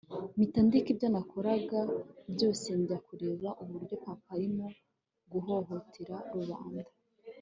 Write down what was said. mpita ndeka ibyo nakoraga byose njya kureba uburyo papa arimo guhohotera rubanda